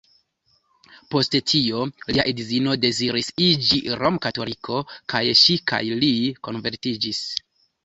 Post tio lia edzino deziris iĝi rom-katoliko, kaj ŝi kaj li konvertiĝis.